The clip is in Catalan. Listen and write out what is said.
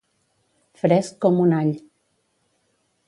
Fresc com un all.